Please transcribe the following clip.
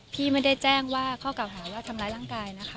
พี่ไม่ได้แจ้งว่าข้อเก่าหาว่าทำร้ายร่างกายนะคะ